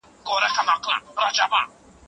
آیا په بازارونو کي د مېوو دوکانونه خلاص دي؟.